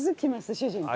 主人と。